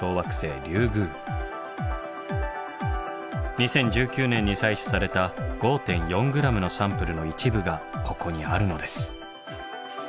２０１９年に採取された５．４ｇのサンプルの一部がここにあるのです。